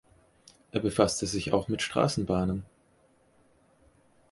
Er befasste sich auch mit Straßenbahnen.